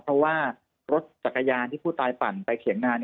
เพราะว่ารถจักรยานที่ผู้ตายปั่นไปเถียงงาน